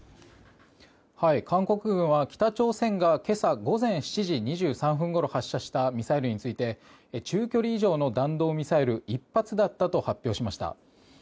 韓国軍は北朝鮮が今朝午前７時２３分ごろ発射したミサイルについて中距離以上の弾道ミサイル１発だったと発表しました。